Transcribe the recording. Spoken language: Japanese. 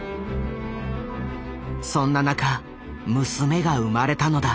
そんな中娘が生まれたのだ。